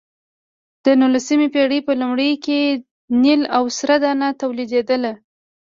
د نولسمې پېړۍ په لومړیو کې نیل او سره دانه تولیدېدل.